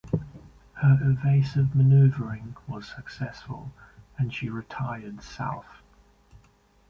Her evasive maneuvering was successful, and she retired south.